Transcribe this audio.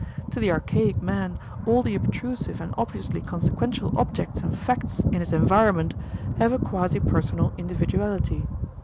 To the archaic man all the obtrusive and obviously consequential objects and facts in his environment have a quasi personal individuality.